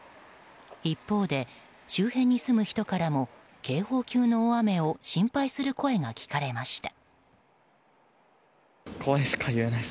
一方で、周辺に住む人からも警報級の大雨を心配する声が聞かれました。